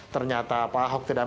ternyata pak ahok tidak